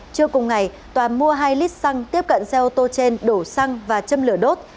trưa cùng ngày tòa mua hai lít xăng tiếp cận xe ô tô trên đổ xăng và châm lửa đốt